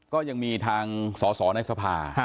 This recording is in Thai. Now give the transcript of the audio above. ก็ยังมีทางสอสอในสภา